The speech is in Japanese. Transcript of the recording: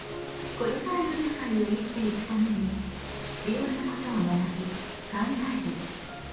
これからの社会を生きていくために必要なことを学び考える「公共」。